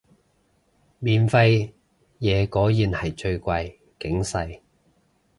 免費嘢果然係最貴，警世